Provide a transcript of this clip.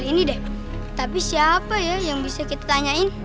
ini deh tapi siapa ya yang bisa kita tanyain